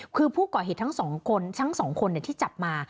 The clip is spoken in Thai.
คือผู้ก่อเหตุทั้ง๒คนที่จับมา